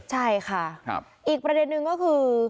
ใช่ค่ะอีกประเด็นนึงก็คือ